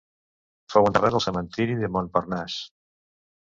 Fou enterrat al Cementiri de Montparnasse.